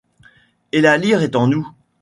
Et la lyre est en nous.